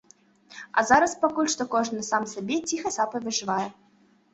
А зараз пакуль што кожны сам сабе ціхай сапай выжывае.